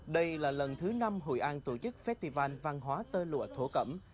đây là lần thứ năm hội an tổ chức festival văn hóa tơ lụa thổ cẩm